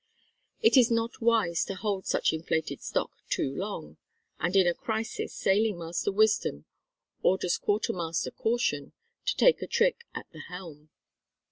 It is not wise to hold such inflated stock too long, and in a crisis sailing master Wisdom orders Quarter master Caution to take a trick at the helm.